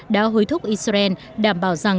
đã hối thúc israel đảm bảo rằng